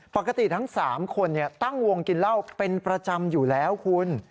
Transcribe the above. ปกติทั้ง๓คนตั้งวงกินเหล้าเป็นประจำอยู่แล้วคุณ